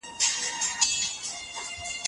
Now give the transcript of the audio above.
د ماشومانو سره ناست يم